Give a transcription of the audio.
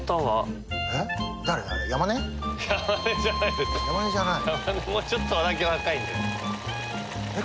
はい。